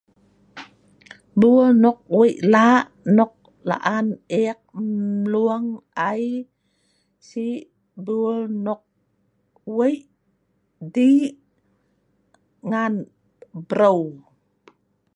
Buel nok wei laa’ nok laan eek mlueng ai si buel nok wei dii’ ngan breu